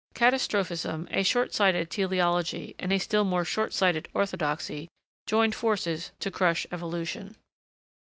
Catastrophism, a short sighted teleology, and a still more short sighted orthodoxy, joined forces to crush evolution.